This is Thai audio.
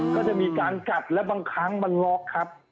ก็จะมีการกัดแล้วบางครั้งมันล็อกครับ